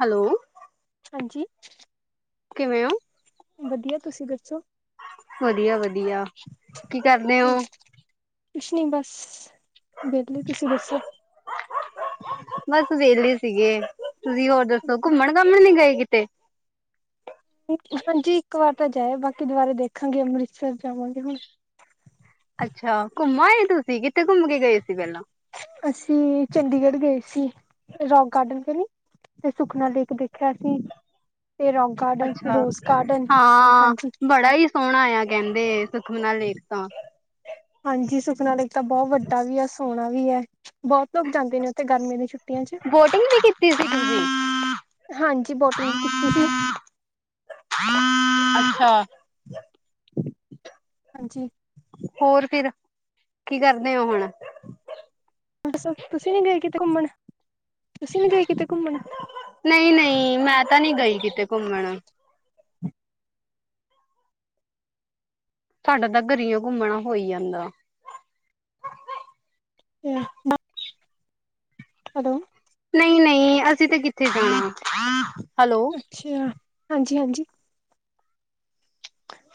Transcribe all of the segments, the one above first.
Hello. ਹਾਂਜੀ। ਕਿਵੇਂ ਓ? ਵਧੀਆ ਤੁਸੀਂ ਦੱਸੋ? ਵਧੀਆ-ਵਧੀਆ ਕੀ ਕਰਦੇ ਓ? ਕੁਛ ਨੀ ਬਸ ਵੇਲੇ ਤੁਸੀਂ ਦੱਸੋ? ਬਸ ਵੇਲੇ ਸੀਗੇ ਤੁਸੀਂ ਹੋਰ ਦੱਸੋ ਘੁੰਮਣ-ਘਾਮਣ ਨੀ ਗਏ ਕਿ ਤੇ। ਹਾਂਜੀ ਇੱਕ ਵਾਰ ਤਾਂ ਜਾਏ ਬਾਕੀ ਦੁਬਾਰਾ ਦੇਖਾਂਗੇ ਅੰਮ੍ਰਿਤਸਰ ਜਾਵਾਂ ਗੇ [unintelligible] ਅੱਛਾ ਘੁੰਮ ਆਏ ਤੁਸੀਂ ਕਿੱਥੇ ਘੁੰਮ ਕੇ ਗਏ ਸੀ ਪੈਲਾਂ? ਅਸੀਂ ਚੰਡੀਗੜ੍ਹ ਗਏ ਸੀ ਰੋਕ ਗਾਰਡਨ ਕਨੀ। ਤੇ ਸੁਖਨਾ ਲੇਕ ਦੇਖਿਆ ਸੀ ਤੇ ਰੌਗ ਅੱਛਾ ਹਾਂ ਹਾਂਜੀ ਬੜਾ ਈ ਸੋਣਾ ਆ ਕੈਂਦੇ ਸੁਖਨਾ ਲੇਖ ਤਾਂ। ਹਾਂਜੀ ਸੁਖਨਾ ਲੇਕ ਤਾਂ ਬੋਤ ਵੱਡਾ ਵੀ ਐ ਸੋਣਾ ਵੀ ਐ। ਬੋਤ ਲੋਕ ਜਾਂਦੇ ਨੇ ਉੱਥੇ ਗਰਮੀ ਦੇ [unintelligible] ਬੋਟਿੰਗ ਵੀ ਕੀਤੀ ਸੀ ਤੁਸੀ? ਹਾਂਜੀ ਬੋਟਿੰਗ ਕੀਤੀ ਸੀ ਅੱਛਾ। ਹਾਂਜੀ। ਹੋਰ ਫਿਰ ਕੀ ਕਰਦੇ ਓ ਹੁਣ? [unintelligible] ਤੁਸੀਂ ਨੀ ਗਏ ਕਿਤੇ ਘੁੰਮਣ ਤੁਸੀਂ ਨੀ ਗਏ ਕਿਤੇ ਘੁੰਮਣ? ਨਈ-ਨਈ ਮੈਂ ਤਾਂ ਨੀ ਗਈ ਕਿਤੇ ਘੁੰਮਣ। ਸਾਡਾ ਤਾਂ ਗਰੀਓ ਗੁੰਮਣਾ ਹੋਈ ਜਾਂਦਾ। [inaudible] ਹੈਲੋ। ਨਈ-ਨਈ ਅਸੀਂ ਤਾਂ ਕਿੱਥੇ ਜਾਣਾ। ਹੈਲੋ ਅੱਛੇਆ ਹਾਂਜੀ-ਹਾਂਜੀ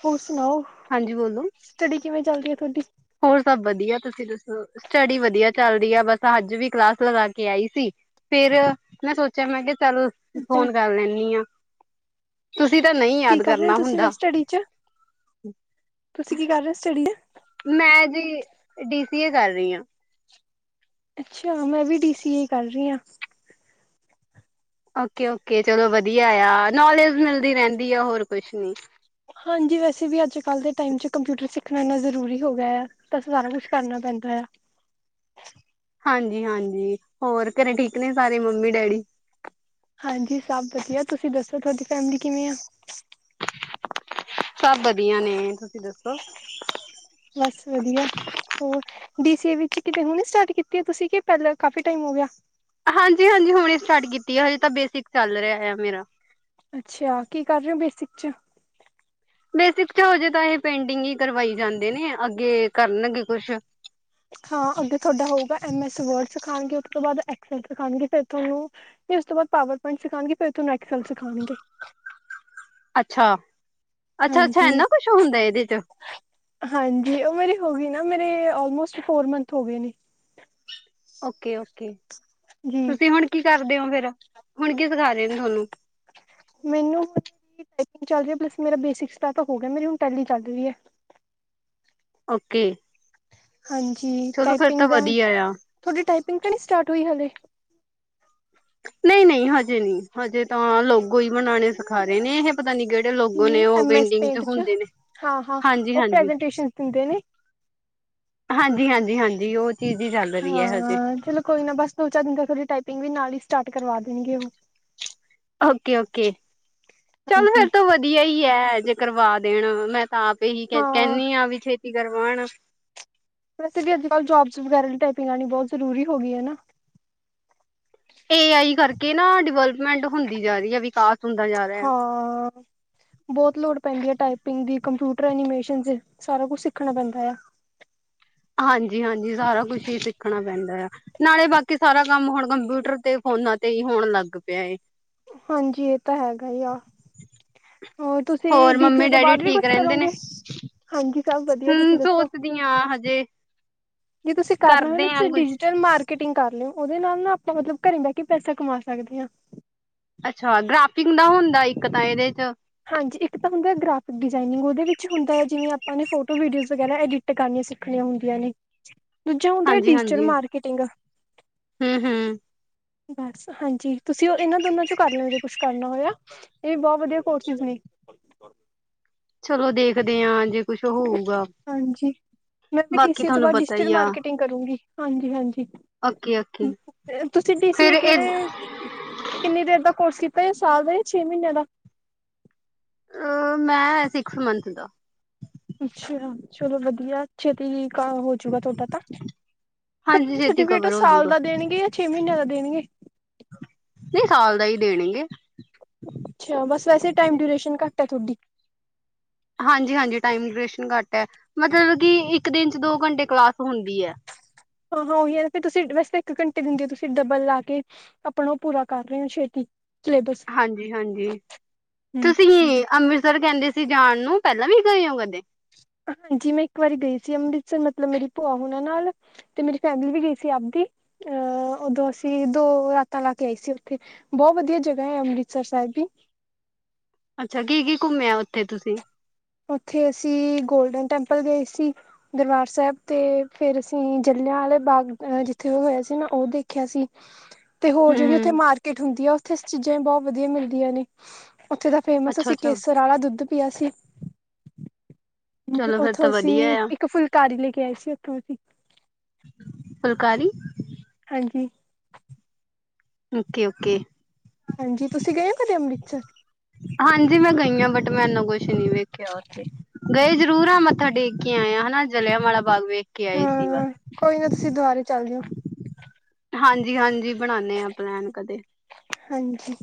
ਹੋਰ ਸੁਣਾਓ? ਹਾਂਜੀ ਬੋਲੋ। ਸਟੱਡੀ ਕਿਵੇਂ ਚੱਲਦੀ ਆ ਤੁਹਾਡੀ? ਹੋਰ ਸਭ ਵਧੀਆ ਤੁਸੀਂ ਦੱਸੋ ਸਟੱਡੀ ਵਧੀਆ ਚੱਲ ਦੀ ਆ ਬਸ ਅੱਜ ਵੀ ਕਲਾਸ ਲਗਾ ਕੇ ਆਈ ਸੀ ਫੇਰ ਮੈਂ ਸੋਚਿਆ ਮੈਂ ਕਿਆ ਚਲ ਅੱਛਾ ਫੋਨ ਕਰ ਲੈਂਨੀ ਆ। ਤੁਸੀਂ ਤਾਂ ਨਈ ਯਾਦ ਕਰਨਾ ਹੁੰਦਾ। ਕੜੀ ਚ ਤੁਸੀਂ ਕੀ ਕਰ ਰੇ ਓ ਸਟੱਡੀ [unintelligible] ਮੈਂ ਜੀ ਡੀ ਸੀ ਏ ਕਰ ਰੀਆ। ਅੱਛਾ, ਮੈਂ ਵੀ ਡੀ ਸੀ ਏ ਕਰ ਰੀਆ। ਓਕੇ ਓਕੇ, ਚਲੋ ਵਧੀਆ ਆ। ਨੌਲੇਜ ਮਿਲਦੀ ਰੈਂਦੀ ਆ ਹੋਰ ਕੁਝ ਨੀ। ਹਾਂਜੀ ਵੈਸੇ ਵੀ ਅੱਜ ਕੱਲ ਦੇ ਟਾਈਮ ਚ ਕੰਪਿਊਟਰ ਸਿੱਖਣਾ ਇੰਨਾ ਜ਼ਰੂਰੀ ਹੋ ਗਿਆ ਆ। ਤਾਂ ਸਾਰਾ ਕੁਝ ਕਰਨਾ ਪੈਂਦਾ ਐ। ਹਾਂਜੀ ਹਾਂਜੀ, ਹੋਰ ਘਰੇ ਠੀਕ ਨੇ ਸਾਰੇ, ਮੰਮੀ-ਡੈਡੀ ਹਾਂਜੀ, ਸਭ ਵਧੀਆ। ਤੁਸੀਂ ਦੱਸੋ, ਤੁਹਾਡੀ ਫੈਮਿਲੀ ਕਿਵੇਂ ਆ? ਸਭ ਵਧੀਆ ਨੇ। ਤੁਸੀਂ ਦੱਸੋ? ਬਸ ਵਧੀਆ ਹੋਰ, ਡੀ ਸੀ ਏ ਵਿਚ ਕਿਤੇ ਹੁਣੇ ਸਟਾਰਟ ਕੀਤੀ ਹੈ ਤੁਸੀਂ, ਕੇ ਪਹਿਲਾਂ, ਕਾਫ਼ੀ ਟਾਈਮ ਹੋ ਗਿਆ? ਹਾਂਜੀ ਹਾਂਜੀ, ਹੁਣੇ ਸਟਾਰਟ ਕੀਤੀ ਹੈ। ਹਜੇ ਤਾਂ ਬੇਸਿਕ ਹੀ ਚੱਲ ਰਿਹਾ ਹੈ ਮੇਰਾ। ਅੱਛਾ ਕੀ ਕਰ ਰਹੇ ਹੋ ਬੇਸਿਕ ਚ ਬੇਸਿਕ 'ਚ ਹਜੇ ਤਾਂ ਏ ਪੇਂਟਿੰਗ ਹੀ ਕਰਵਾਈ ਜਾਂਦੇ ਨੇ, ਅੱਗੇ ਕਰਨਗੇ ਕੁਝ ਹਾਂ, ਅੱਗੇ ਤੁਹਾਡਾ ਹੋਊਗਾ, ਐਮ ਐਸ ਵਰਡ ਸਿਖਾਉਣਗੇ। ਉਹ ਤੋਂ ਬਾਅਦ ਐਕਸ ਐਲ ਸਿਖਾਉਣਗੇ, ਫਿਰ ਤੁਹਾਨੂੰ ਫਿਰ ਉਸ ਤੋਂ ਬਾਅਦ ਪਾਵਰ ਪੁਆਇੰਟ ਸਿਖਾਾਂਗੇ, ਫਿਰ ਤੁਹਾਨੂੰ ਐਕਸ ਐਲ ਸਿਖਾਉਣਗੇ ਅੱਛਾ ਅੱਛਾ ਅੱਛਾ, ਹਾਂਜੀ। ਇੰਨਾ ਕੁਝ ਹੁੰਦਾ ਇਹਦੇ 'ਚ? ਹਾਂਜੀ, ਔ ਮੇਰੀ ਹੋ ਗਈ ਨਾ, ਮੇਰੇ ਆਲਮੋਸਟ ਫੋਰ ਮੰਥ ਹੋ ਗਏ ਨੇ। Okay okay. ਜੀ ਤੁਸੀਂ ਹੁਣ ਕੀ ਕਰਦੇ ਔ ਫੇਰ, ਹੁਣ ਕੀ ਸਿਖਾ ਰਹੇ ਨ ਤੁਹਾਨੂੰ ਮੈਨੂੰ ਚੱਲ ਰਹਿਆ ਪਲੱਸ ਮੇਰਾ ਬੇਸਿਕ ਦਾ ਤਾਂ ਹੋ ਗਯਾ, ਮੇਰੀ ਹੁਣ ਟੈਲੀ ਚੱਲ ਰਹੀ ਐ ਓਕੇ ਹਾਂਜੀ ਚਲੋ ਫੇਰ ਤਾਂ ਟਾਈਪਿੰਗ ਦਾ, ਵਧੀਆ ਆ। ਤੁਹਾਡੀ ਟਾਈਪਿੰਗ ਤਾਂ ਨਹੀਂ ਸਟਾਰਟ ਹੋਈ ਹਾਲੇ ਨਹੀਂ ਨਹੀਂ ਹਜੇ ਨਹੀਂ, ਹਜੇ ਤਾਂ ਲੋਗੋ ਹੀ ਬਣਾਉਣੇ ਸਿਖਾ ਰਹੇ ਨੇ ਇਹ ਪਤਾ ਨੀ ਕੇਹੜੇ ਲੋਗੋ ਨੇ ਉਹ ਐਮ ਐਸ ਪੇਂਟਿੰਗ ਤੇ ਪੇਂਟ ਚ ਹੁੰਦੇ ਨੇ ਹਾਂ ਹਾਂ ਹਾਂਜੀ ਉਹ ਹਾਂਜੀ ਪ੍ਰੈਜੈਂਟੇਸ਼ਨ ਦਿੰਦੇ ਨੇ ਹਾਂਜੀ ਹਾਂਜੀ ਹਾਂਜੀ ਉਹ ਤੀਜੀ ਚੱਲ ਹਾਂ ਰਹੀ ਹੈ ਹਜੇ ਹਾਂ, ਚਲੋ ਕੋਈ ਨਾ। ਬਸ ਦੋ-ਚਾਰ ਦਿਨਾਂ ਤੱਕ ਟਾਈਪਿੰਗ ਵੀ ਨਾਲ ਹੀ ਸਟਾਰਟ ਕਰਵਾ ਦੇਣਗੇ ਉਹ। ਓਕੇ ਓਕੇ, ਚੱਲ ਹਾਂਜੀ ਫਿਰ ਤਾਂ ਵਧੀਆ ਹੀ ਹੈ। ਜੇ ਕਰਵਾ ਦੇਣ, ਮੈਂ ਤਾਂ ਆਪ ਹੀ ਹਾਂ ਕਹਿੰਨੀ ਆਂ, ਵੀ ਛੇਤੀ ਕਰਵਾਉਣ। ਵੈਸੇ ਵੀ ਅੱਜਕੱਲ੍ਹ ਜੌਬਸ ਵਗੈਰਾ ਲਈ ਟਾਈਪਿੰਗ ਆਉਣੀ ਬਹੁਤ ਜ਼ਰੂਰੀ ਹੋ ਗਈ ਹੈ ਨਾ। ਏ ਆਈ ਕਰਕੇ ਨਾ, ਡਿਵੈਲਪਮੈਂਟ ਹੁੰਦੀ ਜਾ ਰਹੀ ਐ, ਵਿਕਾਸ ਹੁੰਦਾ ਜਾ ਰਿਹਾ। ਹਾਂ ਬਹੁਤ ਲੋੜ ਪੈਂਦੀ ਹੈ ਟਾਈਪਿੰਗ ਦੀ। ਕੰਪਿਊਟਰ, ਐਨੀਮੇਸ਼ਨ ਸਾਰਾ ਕੁਝ ਸਿੱਖਣਾ ਪੈਂਦਾ ਹੈ। ਹਾਂਜੀ ਹਾਂਜੀ ਸਾਰਾ ਕੁਛ ਹੀ ਸਿੱਖਣਾ ਪੈਂਦਾ ਆ, ਨਾਲੇ ਬਾਕੀ ਸਾਰਾ ਕੰਮ ਹੁਣ ਕੰਪਿਊਟਰ ਤੇ, ਫੋਨਾਂ ਤੇ ਹੀ ਹੋਣ ਲੱਗ ਪਿਆ ਏ ਹਾਂਜੀ ਇਹ ਤਾਂ ਹੈਗਾ ਹੀ ਆ ਹੋਰ, ਤੁਸੀਂ ਹੋਰ ਡੀ ਸੀ ਏ ਮੰਮੀ ਤੋਂ ਡੈਡੀ ਬਾਅਦ ਵੀ ਕੁਝ ਠੀਕ ਰਹਿੰਦੇ ਨੇ ਕਰੋਗੇ? ਹਾਂਜੀ, ਸਭ ਵਧੀਆ। ਤੁਸੀਂ ਸੁਣਾਓ। ਹੂੰ ਸੋਚਦੀ ਆਂ ਹਜੇ ਜੇ ਤੁਸੀਂ ਕਰਨਾ ਹੋਵੇ ਕਰਦੇ ਨਾ, ਤਾਂ ਆ ਤੁਸੀਂ ਕੁਛ ਡਿਜੀਟਲ ਮਾਰਕੀਟਿੰਗ ਮਾਰਕੀਟਿੰਗ ਕਰ ਲਿਓ। ਉਹਦੇ ਨਾਲ ਨਾ, ਆਪਾਂ ਮਤਲਬ ਘਰੇ ਬੈਹ ਕੇ ਵੀ ਪੈਸੇ ਕਮਾ ਸਕਦੇ ਆਂ। ਅੱਛਾ ਗ੍ਰਾਫਟਿੰਗ ਦਾ ਹੁੰਦਾ ਇੱਕ ਤਾਂ ਇਹਦੇ ਚ ਹਾਂਜੀ, ਇੱਕ ਤਾਂ ਹੁੰਦੀ ਹੈ ਗ੍ਰਾਫਿਕ ਡਿਜ਼ਾਇਨਿੰਗ। ਉਹਦੇ ਵਿੱਚ ਹੁੰਦਾ ਐ, ਜਿਵੇਂ ਆਪਾਂ ਫੋਟੋਆਂ, ਵੀਡੀਓਜ਼ ਵਗੈਰਾ ਐਡਿਟਿੰਗ ਟਿੰਗ ਕਰਨਿਆਂ ਸਿੱਖਣੀਆਂ ਹੁੰਦੀਆਂ ਨੇ। ਦੂਜਾ ਹੁੰਦਾ ਹੈ ਡਿਜ਼ੀਟਲ ਮਾਰਕੀਟਿੰਗ। ਹੂ ਹੂ ਬਸ ਹਾਂਜੀ, ਤੁਸੀਂ ਇਹਨਾਂ ਦੋਨਾਂਚੋਂ ਕਰ ਲਿਓ, ਜੇ ਕੁਝ ਕਰਨਾ ਹੋਯਾ, ਤਾਂ ਇਹ ਵੀ ਬਹੁਤ ਵਧੀਆ ਕੋਰਸਿਸ ਨੇ ਚਲੋ, ਦੇਖਦੇ ਆਂ, ਜੇ ਕੁਝ ਹੋਇਆ, ਹਾਂਜੀ ਬਾਕੀ ਤੁਹਾਨੂੰ ਤਾਂ ਪਤਾ ਹੀ ਹੈ। ਕਰੂਗੀ ਹਾਂਜੀ ਹਾਂਜੀ, ਓਕੇ-ਓਕੇ ਤੁਸੀਂ ਡੀ ਸੀ ਫੇਰ ਏ ਇਹ ਕਿਹੜੇ ਕਿੰਨੇ ਦੇਰ ਦਾ ਕੋਰਸ ਕੀਤਾ ਹੈ, ਇੱਕ ਸਾਲ ਦਾ ਜਾਂ ਛੇ ਮਹੀਨੇ ਦਾ? ਅ ਮੈਂ ਸਿਕਸ ਮੰਥ ਦਾ ਅੱਛਾ ਚਲੋ ਵਧੀਆ। ਛੇਤੀ ਕਾਮ ਹੋਜੂਗਾ ਤੁਹਾਡਾ ਤਾਂ, ਪਰ ਹਾਂਜੀ ਤੁਹਾਨੂੰ ਛੇਤੀ ਸਰਟੀਫਿਕੇਟ ਕਵਰ ਸਾਲ ਹੋਜੂਗਾ ਦਾ ਦੇਣਗੇ। ਛੇ ਮਹੀਨੇ ਦਾ ਦੇਣਗੇ। ਨਹੀਂ ਸਾਲ ਦਾ ਹੀ ਦੇਣਗੇ। ਅੱਛਾ ਬਸ ਵੈਸੇ ਟਾਈਮ ਡਿਊਰੇਸ਼ਨ ਘੱਟ ਐ ਤੁਹਾਡੀ। ਹਾਂਜੀ-ਹਾਂਜੀ ਟਾਈਮ ਡਰੇਸ਼ਨ ਘੱਟ ਏ ਮਤਲਬ ਕਿ ਇੱਕ ਦਿਨ ਚ ਦੋ ਘੰਟੇ ਕਲਾਸ ਹੁੰਦੀ ਐ। ਹਾਂ-ਹਾਂ ਉਹੀ ਏ ਫੇ ਤੁਸੀਂ ਵੈਸੇ ਇੱਕ ਘੰਟੇ ਦਿੰਦੇ ਹੋ ਤੁਸੀਂ ਡੱਬਲ ਲਾ ਕੇ। ਆਪਣਾ ਉਹ ਪੂਰਾ ਕਰ ਰਹੇ ਹੋ ਛੇਤੀ। ਸਿਲੇਬਸ ਹਾਂਜੀ- ਹਾਂਜੀ ਹਮ ਤੁਸੀਂ ਅੰਮ੍ਰਿਤਸਰ ਕਹਿੰਦੇ ਸ- ਤੁਸੀਂ ਜਾਣ ਨੂੰ ਪਹਿਲਾਂ ਵੀ ਗਏ ਹੋ ਕਦੇ? ਹਾਂਜੀ ਮੈਂ ਇੱਕ ਵਾਰੀ ਗਈ ਸੀ ਅੰਮ੍ਰਿਤਸਰ ਮਤਲਬ ਮੇਰੀ ਭੂਆ ਹੂਨਾਂ ਨਾਲ। ਤੇ ਮੇਰੀ ਫੈਮਿਲੀ ਵੀ ਗਈ ਸੀ ਆਪਦੀ ਅਹ ਉਦੋਂ ਅਸੀਂ ਦੋ ਰਾਤਾਂ ਲਾ ਕੇ ਆਏ ਸੀ ਉੱਥੇ। ਬੋਤ ਵਧੀਆ ਜਗਾ ਏ ਅੰਮ੍ਰਿਤਸਰ ਸਾਹਿਬ ਵੀ। ਅੱਛਾ ਕੀ- ਕੀ ਘੁੰਮੇਿਆ ਉੱਥੇ ਤੁਸੀਂ? ਉੱਥੇ ਅਸੀਂ ਗੋਲਡਨ ਟੈਂਪਲ ਗਏ ਸੀ। ਦਰਬਾਰ ਸਾਹਿਬ ਤੇ ਫੇਰ ਅਸੀਂ ਜਲਿਆਂ ਵਾਲੇ ਬਾਗ ਜਿੱਥੇ ਉਹ ਹੋਇਆ ਸੀ ਨਾ ਉਹ ਦੇਖਿਆ ਸੀ। ਅੱਛਾ। ਤੇ ਹੋਰ ਜਿਹੜੀ ਉੱਥੇ ਮਾਰਕੀਟ ਹੁੰਦੀ ਆ ਉੱਥੇ ਚੀਜ਼ਾਂ ਵੀ ਬੋਤ ਵਧੀਆ ਮਿਲਦੀਆਂ ਨੇ, ਉੱਥੇ ਦਾ। ਫੇਮਸ ਅਸੀਂ ਅੱਛਾ-ਅੱਛਾ ਕੇਸਰ ਵਾਲਾ ਦੁੱਧ ਪੀਆ ਸੀ। ਹੂੰ ਚਲੋ ਫੇਰ ਉੱਥੋਂ ਤਾਂ ਅਸੀਂ ਵਧੀਆ ਆ। ਇੱਕ ਫੁਲਕਾਰੀ ਲੈ ਕੇ ਆਏ ਸੀ ਉੱਥੋਂ ਅਸੀਂ। ਫੁਲਕਾਰੀ? ਹਾਂਜੀ। Okay- okay. ਹਾਂਜੀ ਤੁਸੀਂ ਗਏ ਹੋ ਕਦੇ ਅੰਮ੍ਰਿਤਸਰ? ਹਾਂਜੀ ਮੈਂ ਗਈ ਹਾਂ, ਬਟ ਮੈਂ ਇਨੂੰ ਕੁਛ ਨੀ ਵੇਖਿਆ ਉੱਥੇ ਗਈ ਜ਼ਰੂਰ ਆ ਮੱਥਾ ਟੇਕ- ਕੇ ਆਇਆ ਹਨਾ ਜਲਿਆਂ ਵਾਲਾ ਬਾਗ ਵੇਖ ਕੇ ਆਏ ਸੀ ਬਸ। ਹਾਂ ਕੋਈ ਨਾ ਤੁਸੀਂ ਦੁਬਾਰੇ ਚੱਲ ਜੀਓ। ਹਾਂਜੀ- ਹਾਂਜੀ ਬਣਾਨੇ ਆ ਪਲੈਨ ਕਦੇ। ਹਾਂਜੀ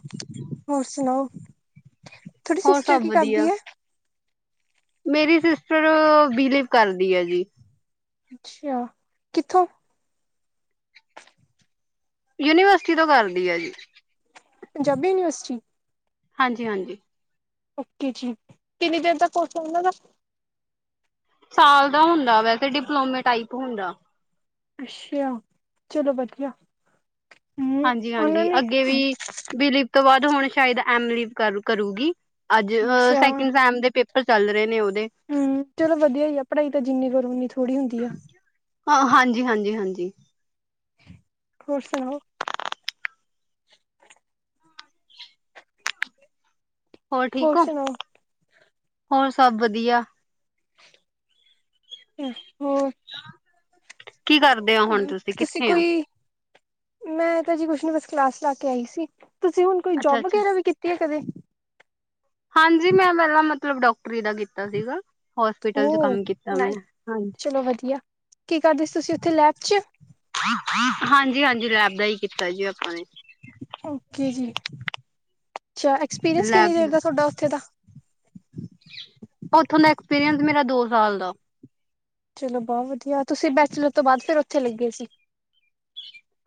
ਹੋਰ ਸੁਣਾਓ, ਤੁਹਾਡੀ ਹੋਰ ਸਿਸਟਰ ਸਭ ਕੀ ਕਰਦੀ ਵਧੀਆ ਐ? ਮੇਰੀ ਸਿਸਟਰ ਬਿਲੀਵ ਕਰਦੀ ਏ ਜੀ। ਅੱਛਾ, ਕਿੱਥੋਂ? ਯੂਨੀਵਰਸਿਟੀ ਤੋਂ ਕਰਦੀ ਆ ਜੀ, ਪੰਜਾਬੀ ਯੂਨੀਵਰਸਿਟੀ ਹਾਂਜੀ- ਹਾਂਜੀ। ਓਕੇ ਜੀ ਕਿਨਨੀ ਦਿਨ ਦਾ ਕੋਰਸ ਐ ਉਹਨਾਂ ਦਾ? ਸਾਲ ਦਾ ਹੁੰਦਾ ਵੈ, ਤੇ ਡਿਪਲੋਮੇ ਟਾਈਪ ਹੁੰਦਾ। ਅੱਛੇਆ ਚਲੋ ਵਧੀਆ। ਹਮ ਉਹਨਾਂ ਹਾਂਜੀ-ਹਾਂਜੀ ਨੇ ਅੱਗੇ ਵੀ ਬੀਲਿਪ ਕਰਵਾ ਦੋ ਹੁਣ ਸ਼ਾਇਦ ਐਮ ਲਿਪ ਕਰ ਕਰੂਗੀ। ਅੱਜ ਅੱਛਾ ਸੈਕਿੰਡ ਸਟੈਂਡ ਦੇ ਪੇਪਰ ਚੱਲ ਰਹੇ ਨੇ ਉਹਦੇ। ਹੂੰ ਚਲੋ ਵਧੀਆ ਹੀ ਆ ਪੜਾਈ ਤਾਂ ਜਿੰਨੀ ਕਰੋ ਓਨੀ ਥੋੜੀ ਹੁੰਦੀ ਆ। ਹਾਂ ਹਾਂਜੀ- ਹਾਂਜੀ, ਹਾਂਜੀ। ਹੋਰ ਸੁਣਾਓ? ਹੋਰ ਠੀਕ ਹੋ, ਹੋਰ ਸਭ ਵਧੀਆ। ਹੋਰ? ਕੀ ਕਰਦੇ ਹੋ ਹੁਣ ਹੂੰ ਤੁਸੀਂ ਕਿੱਥੇ ਹੋ ਕੋਈ। ਮੈਂ ਤਾਂ ਜੀ ਕੁਛ ਨੀ ਬਸ ਕਲਾਸ ਲਾ ਕੇ ਆਈ ਸੀ ਤੁਸੀਂ ਹੁਣ ਕੋਈ ਅੱਛਾ ਜੋਬ ਅੱਛਾ ਵਗੈਰਾ ਵੀ ਕੀਤੀ ਹੈ ਕਦੇ? ਹਾਂਜੀ ਮੈਂ ਪਹਿਲਾਂ ਮਤਲਬ ਡਾਕਟਰੀ ਦਾ ਕੀਤਾ ਸੀਗਾ। ਹੋਸਪੀਟਲ ਚ ਕੰਮ ਕੀਤਾਂ ਮੈਂ, ਹਾਂਜੀ। ਚਲੋਂ ਵਧੀਆਂ। ਕੀ ਕਰਦੇਂ ਸੀਂ ਤੁਸੀਂ ਉੱਥੇ ਲੈਬ ਚ ਹਾਂਜੀ- ਹਾਂਜੀ ਲੈਬ ਦਾ ਹੀ ਕੀਤਾਂ ਜੀ ਆਪਾਂ ਨੇਂ ਓਕੇ ਜੀ, ਅੱਛਾ ਐਕਸਪੀਰੀਅੰਸ ਕਿੰਨੀਂ ਦੇਰ ਲੈਬ ਦਾ ਤੁਹਾਡਾ ਉੱਥੇ ਦਾ ਉੱਥੋਂ ਦਾ ਐਕਸਪੀਰੀਅੰਸ ਮੇਰਾ ਦੋ ਸਾਲ ਦਾ। ਚਲੋ ਬੌ ਵਧੀਆ, ਤੁਸੀਂ ਬੈਚੋਲਰ ਤੋਂ ਬਾਅਦ ਫ਼ੇਰ ਉੱਥੇ ਲੱਗੇ ਸੀ।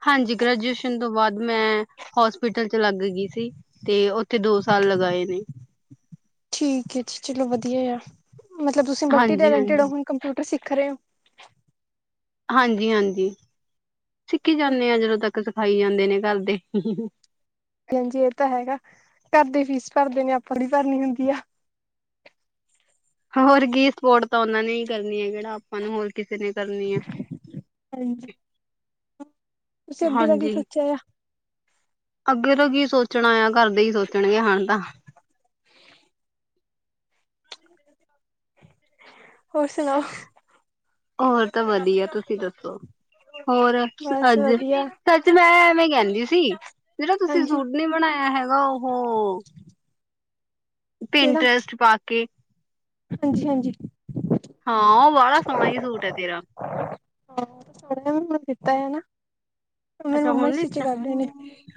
ਹਾਂਜੀ, ਗ੍ਰੈਜੂਏਸ਼ਨ ਤੋਂ ਬਾਅਦ ਮੈਂ ਹੋਸਪਿਟਲ ਚ ਲੱਗ ਗੀ ਸੀਂ। ਤੇ ਉੱਥੇ ਦੋ ਸਾਲ ਲਗਾਏ ਨੇਂ। ਠੀਕ ਹੈ ਜੀ, ਚਲੋ ਵਧੀਆਂ ਆ, ਮਤਲਬ ਤੁਸੀਂ ਮਲਟੀ ਹਾਂਜੀ ਟੈਲੈਂਟਡ ਔ ਹਾਂਜੀ ਹੁਣ ਕੰਪਿਊਟਰ ਸਿੱਖ ਰਏ ਔ ਹਾਂਜੀ- ਹਾਂਜੀ, ਸਿੱਖੀ ਹੋ ਜਾਂਣੇ ਆਂ ਜਦੋਂ ਤੱਕ ਸਿਖਾਈ ਜਾਂਦੇ ਨੇ ਘਰ ਦੇ। ਹਾਂਜੀ- ਹਾਂਜੀ ਏ ਤਾਂ ਹੈਗਾ, ਘਰ ਦੇ ਫੀਸ ਭਰ ਦੇ ਨੇ ਆਪਾਂ ਕਿਹੜੀ ਭਰਨੀ ਹੁੰਦੀ ਆਂ। ਹੋਰ ਕੀ ਸਪੋਰਟ ਤਾਂ ਓਨਾਂ ਨੇ ਈ ਕਰਨੀ ਏ, ਕਿਹੜਾ ਆਪਾਂ ਨੂੰ ਹੋਰ ਕਿਸੇ ਨੇਂ ਕਰਨੀ ਆ। ਹਾਂਜੀ। ਤੁਸੀਂ ਅੱਗੇ ਦਾ ਕੀ ਹਾਂਜੀ ਸੋਚਿਆ ਆ। ਅੱਗੇ ਦਾ ਕੀ ਸੋਚਣਾ ਆ, ਘਰਦੇ ਈ ਸੋਚਣਗੇ ਹਾਨ ਤਾਂ [inaudible] ਹੋਰ, ਸੁਣਾਓ ਹੋਰ ਤਾਂ ਵਧੀਆ, ਤੁਸੀਂ ਦੱਸੋ ਹੋਰ ਬਸ ਅੱਜ ਵਧੀਆ ਸੱਚ ਮੈਂ ਐਵੇਂ ਕਹਿੰਦੀ ਸੀ, ਜਿਹੜਾਂ ਤੁਸੀਂ ਹਾਂਜੀ ਸ਼ੂਟ ਨੀਂ ਬਣਾਇਆਂ ਹੈਗਾ ਓਹ ਪਿੰਟਰੈਸਟ ਪਾ ਕੇ। ਹਾਂਜੀ-ਹਾਂਜੀ। ਹਾਂ, ਓ ਬਾਹਲਾ ਸੋਹਣਾ ਈ ਸ਼ੂਟ ਐ ਤੇਰਾਂ ਹਾਂ, ਸੋਹਣਾ ਬਣਾਂ ਕੇ ਦਿੱਤਾ ਐ ਨਾ, ਔ ਮੇਰੀ ਅੱਛਾ ਮੰਮਾ ਹੁਣ ਸਟਿੱਚ ਲਿੱਤਾ ਕਰਦੇ ਨੇਂ।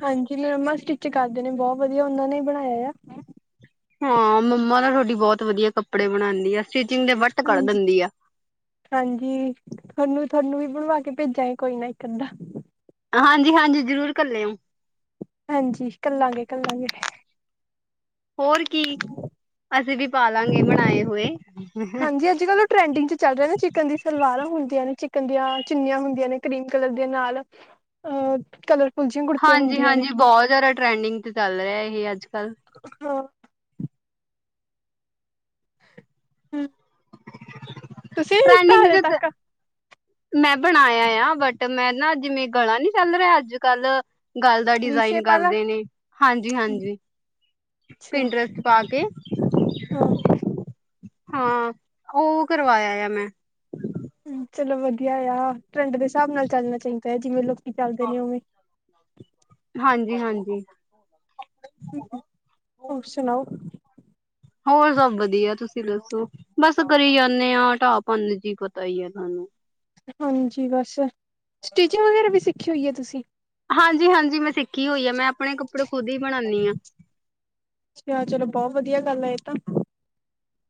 ਹਾਂਜੀ, ਮੇਰੀ ਮੰਮਾ ਸਟਿੱਚ ਕਰਦੇ ਨੇ ਬੌਹ ਵਧੀਆਂ ਓਨਾਂ ਨੇਂ ਈ ਬਣਾਇਆਂ ਆ। ਹਾਂ, ਮੰਮਾ ਤਾ ਥੁਹਾਡੀ ਬਹੁਤ ਵਧੀਆਂ ਕੱਪੜੇ ਬਣਾਂਦੀ ਆ, ਸਟਿਚਿੰਗ ਦੇ ਵੱਟ ਕੱਢ ਹਾਂਜੀ ਦਿੰਦੀ ਆ। ਹਾਂਜੀ, ਥੋਹਨੂੰ- ਥੋਹਨੂੰ ਵੀ ਬਣਵਾ ਕੇ ਭੇਜਾਂਗੇ ਕੋਈ ਨਾ ਇੱਕ-ਅੱਧਾ। ਹਾਂਜੀ-ਹਾਂਜੀ, ਜ਼ਰੂਰ ਘਲਿਓ ਹਾਂਜੀ, ਘੱਲਾਂਗੇ -ਘੱਲਾਂਗੇ। ਹੋਰ ਕੀ, ਅਸੀਂ ਵੀ ਪਾਲਾਂਗੇ ਬਣਾਏ ਹੋਏ। ਹਾਂਜੀ, ਅੱਜ-ਕੱਲ ਟਰੈਂਡਿੰਗ ਚ ਚੱਲ ਰਿਐ ਨਾ ਚਿਕਨ ਦੀ ਸਲਵਾਰਾਂ ਹੁੰਦੀਆਂ ਨੇ, ਚਿਕਨ ਦੀਆਂ ਚੁੰਨੀਆਂ ਹੁੰਦੀਆਂ ਨੇ ਕਰੀਮ ਕਲਰ ਦੀਆਂ ਨਾਲ਼। ਅ ਕਲਰ ਹਾਂਜੀ-ਹਾਂਜੀ, ਬਹੁਹ ਜਿਆਦਾ ਟਰੈਂਡਿੰਗ ਚ ਚੱਲ ਰਿਐ ਏਹ ਅੱਜ-ਕੱਲ। ਹਾਂ ਹੂੰ। ਟਰੈਂਡਿੰਗ ਜਤ ਤੱਕ ਮੈਂ ਬਣਾਇਆਂ ਆ, ਬਟ ਮੈਂ ਨਾ ਜਿਮੇਂ ਗਲਾਂ ਨੀਂ ਚੱਲ ਰਿਆ ਅੱਜ-ਕੱਲ ਗੱਲ ਦਾ ਵੀ ਡਿਜ਼ਾਇਨ ਸ਼ੇਪ ਵਾਲਾ ਕਰਦੇਂ ਨੇ, ਹਾਂਜੀ-ਹਾਂਜੀ। ਅੱਛਾ ਪਿੰਡਰੈਸਟ ਪਾ ਕੇ। ਹਾਂ। ਹਾਂ, ਉਹ ਕਰਵਾਇਆਂ ਆ ਮੈਂ ਹੂੰ, ਚਲੋ ਵਧੀਆ ਆ ਟਰੈਂਡ ਦੇ ਹਿਸਾਬ ਨਾਲ਼ ਚੱਲਣਾ ਚਾਈਦਾ ਏ, ਜਿਵੇਂ ਲੋਕੀ ਚੱਲਦੇ ਨੇ ਉਵੇਂ। ਹਾਂਜੀ- ਹਾਂਜੀ। ਹੋਰ ਸੁਣਾਓ। ਹੋਰ ਸਭ ਵਧੀਆਂ, ਤੁਸੀਂ ਦੱਸੋ। ਬਸ ਕਰੀ ਜਾਂਣੇ ਆਂ, ਢਾਪੰਨ ਜੀ ਪਤਾ ਈ ਐ ਥਾਨੂੰ। ਹਾਂਜੀ ਬਸ, ਸਟੀਚਿੰਗ ਵਗੈਰਾ ਵੀ ਸਿੱਖੀ ਹੋਈ ਐ ਤੁਸੀਂ? ਹਾਂਜੀ ਹਾਂਜੀ, ਮੈਂ ਸਿੱਖੀ ਹੋਈ ਐ ਮੈਂ ਆਪਣੇ ਕੱਪੜੇ ਖੁਦ ਹੀ ਬਣਾਣੀ ਯਾਂ। ਅੱਛੀ ਐ, ਚਲੋ ਬੌਹ ਵਧੀਆ ਗੱਲ ਆ, ਏ ਤਾਂ।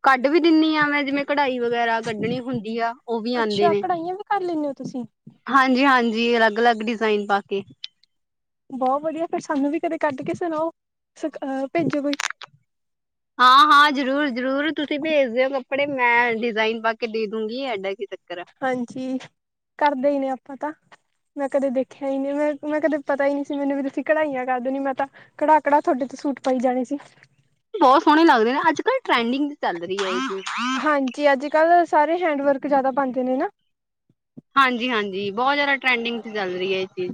ਕੱਢ ਵੀ ਦਿੰਨੀ ਆ ਮੈਂ ਜਿਵੇਂ, ਕਢਾਈ ਵਗੈਰਾ ਕੱਢਣੀ ਹੁੰਦੀ ਆ। ਉਹ ਵੀ ਅੱਛਾ, ਕਢਾਹੀਆਂ ਵੀ ਕਰ ਲੈਂਣੇ ਔ ਤੁਸੀਂ? ਹਾਂਜੀ ਹਾਂਜੀ, ਅਲੱਗ-ਲੱਗ ਡਿਜ਼ਾਇਨ ਪਾ ਕੇ। ਬੌਹ ਵਧੀਆ, ਫੇਰ ਸਾਨੂੰ ਵੀ ਕਦੇ ਕੱਢ ਕੇ ਸੁਣਾਓ, ਸੂ ਭੇਜੋ ਕੋਈ। ਹਾਂ, ਹਾਂ। ਹਾਂ ਜ਼ਰੂਰ-ਜ਼ਰੂਰ, ਤੁਸੀਂ ਭੇਜਦੇਓ ਕੱਪੜੇ ਮੈਂ ਡਿਜ਼ਾਇਨ ਪਾ ਕੇ ਦੇ ਦੂੰਗੀ, ਐਡਾ ਕੀ ਚੱਕਰ ਐ। ਹਾਂਜੀ, ਕਰਦੇ ਹੀ ਨੇ ਅਪਾਂ ਤਾਂ। ਮੈਂ ਕਦੇ ਦੇਖਿਆ ਹੀ ਨਹੀਂ, ਮੈਂ-ਮੈਂ ਕਦੇ ਪਤਾ ਹੀ ਨ ਨਹੀਂ ਸੀ। ਮੈਨੂੰ ਵੀ ਤੁਸੀਂ ਕੜਢਾਈਆਂ ਕਰ ਦਣੀ ਮੈਂ ਤਾਂ ਕੜਾਕੜਾ, ਤੁਹਾਡੇ ਤੋਂ ਸੂਟ ਪਾਈ ਜਾਣੇ ਸੀ। ਬਹੁਤ ਸੋਹਣੇ ਲੱਗਦੇ ਨੇ, ਅੱਜ ਕੱਲ੍ਹ ਟਰੈਂਡਿੰਗ ਚੱਲ ਰਹੀ ਹੈ ਇਹ ਚੀਜ਼ ਹਾਂਜੀ ਅੱਜ ਕੱਲ੍ਹ, ਸਾਰੇ ਹੈਂਡ ਵਰਕ ਜਿਆਦਾ ਪਾਉਂਦੇ ਨੇ ਨਾ ਹਾਂਜੀ-ਹਾਂਜੀ, ਬਹੁਤ ਜ਼ਿਆਦਾ ਟਰੈਂਡਿੰਗ ਚ' ਚੱਲ ਰਹੀ ਹੈ ਇਹ ਚੀਜ਼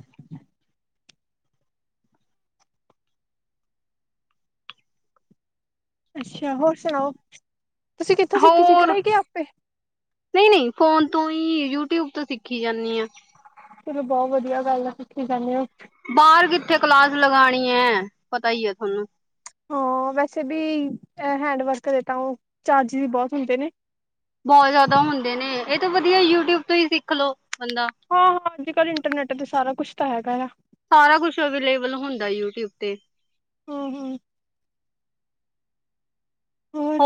ਅੱਛਾ ਹੋਰ ਸੁਣਾਓ, ਤੁਸੀਂ ਕਿੱਥੋਂ ਸਿੱਖੀ ਸੀ ਕੜਾਈ ਗ ਆਪੇ? ਨਹੀਂ-ਨਹੀਂ ਫੋਨ ਤੋਂ ਹੀ, ਯੂਟਿਊਬ ਤੋਂ ਸਿੱਖੀ ਜਾਂਦੀ ਆ। ਚਲੋ ਬਹੁਤ ਵਧੀਆ ਗੱਲ ਆ, ਤੁਸੀਂ ਕਰਦੇ ਹੋ। ਬਾਹਰ ਕਿੱਥੇ ਕਲਾਸ ਲਗਾਉਣੀ ਹੈ, ਪਤਾ ਹੀ ਹੈ ਤੁਹਾਨੂੰ। ਹਾਂ ਵੈਸੇ ਵੀ, ਹੈਂਡ ਵਰਕ ਦੇ ਤਾਂ ਉਹ ਚਾਰਜ ਵੀ ਬਹੁਤ ਹੁੰਦੇ ਨੇ। ਬਹੁਤ ਜ਼ਿਆਦਾ ਹੁੰਦੇ ਨੇ, ਇਹ ਤਾਂ ਵਧੀਆ ਯੂਟਿਊਬ ਤੋਂ ਹੀ ਸਿੱਖ ਲਓ ਬੰਦਾ। ਹਾਂ-ਹਾਂ, ਅੱਜ ਕੱਲ੍ਹ ਇੰਟਰਨੈੱਟ ਤੇ ਸਾਰਾ ਕੁਛ ਤਾਂ ਹੈਗਾ ਆ। ਸਾਰਾ ਕੁਛ ਅਵੇਲੇਬਲ ਹੁੰਦਾ, ਯੂਟਿਊਬ ਤੇ ਹਮ-ਹਮ। ਹੋਰ,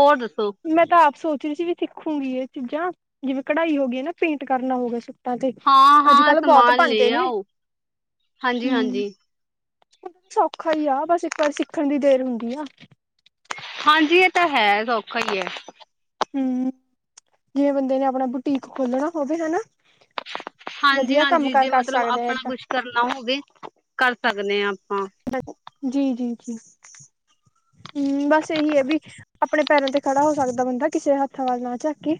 ਮੈਂ ਤਾਂ ਆਪ ਸੋਚ ਰ ਸੀ ਵੀ ਸਿੱਖੂਗੀ ਇਹ ਚੀਜ਼ਾਂ, ਜਿਵੇਂ ਕਢਾਈ ਹੋ ਗਈ ਨਾ, ਪੇਂਟ ਕਰਨਾ ਹੋਵੇ। ਤੇ ਹਾਂ ਅੱਜ ਹਾਂ ਕੱਲ ਬਹੁਤ ਸਮਾਨ ਲੈ ਪਾਂਉਦੇ ਨੇ, ਆਓ ਹਾਂਜੀ ਹਮ। ਹਾਂਜੀ ਸੌਖਾ ਹੀ ਆ, ਬਸ ਇੱਕ ਵਾਰੀ ਸਿੱਖਣ ਦੀ ਦੇਰ ਹੁੰਦੀ ਆ। ਹਾਂਜੀ ਇਹ ਤਾਂ ਹੈ, ਸੌਖਾ ਹੀ ਹੈ। ਹਮ, ਜਿਵੇ ਬੰਦੇ ਨੇ ਆਪਣਾ ਬੁਟੀਕ ਖੋਲਣਾ ਹੋਵੇ, ਹਨਾ। ਹਾਂਜੀ ਵਧੀਆ, ਕੰਮ ਹਾਂਜੀ ਕਾਰ ਜੇ ਕਰ ਮਤਲਬ ਸਕਦੇ ਆ ਆਪਣਾ ਏਦਾਂ। ਕੁਛ ਕਰਨਾ ਹੋਵੇ, ਕਰ ਸਕਦੇ ਹਾਂ ਆਪਾਂ। ਜੀ-ਜੀ-ਜੀ, ਹਮ ਬਸ ਇਹੀ ਹੈ ਵੀ ਆਪਣੇ ਪੈਰਾਂ ਤੇ ਖੜਾ ਹੋ ਸਕਦਾ ਬੰਦਾ, ਕਿਸੇ ਹੱਥਾਂ 'ਵਲ ਨਾ ਝਾਕੇ।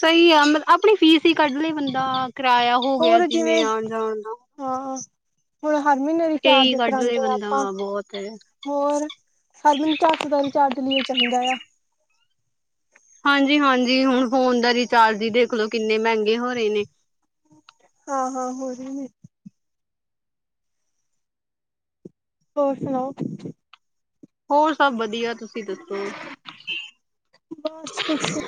ਸਹੀ ਆ ਮਤਲ, ਆਪਣੀ ਫੀਸ ਹੀ ਕੱਢ ਲਏ ਬੰਦਾ, ਕਿਰਾਇਆ ਹੋ ਗਿਆ ਜਿਵੇਂ ਆਉਣ ਜਾਣ ਦਾ। ਹਾਂ, ਹੁਣ ਹਰ ਮਹੀਨੇ ਦੀ ਇਹੀ ਚਾਰਜ ਕੱਢ ਲਏ ਕਰਾਉਂਦੇ ਆ ਬੰਦਾ ਆਪਾਂ ਬਹੁਤ ਹੈ ਹੋਰ, ਸਾਰ ਮੈਨੂੰ ਚਾਰ ਸੌ ਦਾ, ਰਿਚਾਰਜ ਲਈ ਚਾਹੀਦਾ ਆ। ਹਾਂਜੀ-ਹਾਂਜੀ, ਹੁਣ ਫੋਨ ਦਾ ਰਿਚਾਰਜ ਹੀ ਦੇਖਲੋ, ਕਿੰਨੇ ਮਹਿੰਗੇ ਹੋ ਰਹੇ ਨੇ। ਹਾਂ-ਹਾਂ, ਹੋਰ ਹੋਰ ਸੁਣਾਓ ਹੋਰ ਸਭ ਵਧੀਆ, ਤੁਸੀਂ ਦੱਸੋ? ਬਸ ਕੁੁਛ